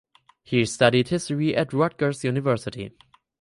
He studied history at Rutgers University.